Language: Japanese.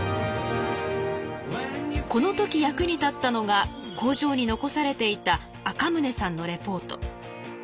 この時役に立ったのが工場に残されていた赤宗さんのレポート。